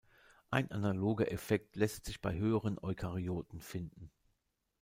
Ein analoger Effekt lässt sich bei höheren Eukaryoten finden.